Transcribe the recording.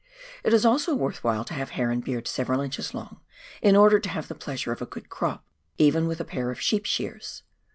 It is also worth while to have hair and beard several inches long, in order to have the pleasure of a good crop, even with a pair of sheep shears